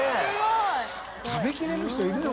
食べきれる人いるの？